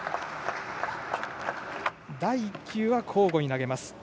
第１球は交互に投げます。